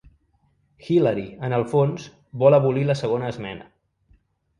Hillary, en el fons, vol abolir la segona esmena.